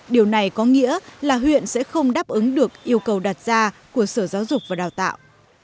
điều này có nghĩa là huyện sẽ không đáp ứng được yêu cầu đặt ra của sở giáo dục và đào tạo